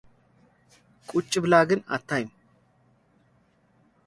ቁጭ ብላ ግን አታይም።